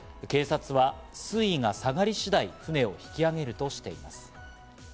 警察は水位が下がり次第、船を引き揚げるとしています。